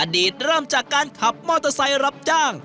เริ่มจากการขับมอเตอร์ไซค์รับจ้าง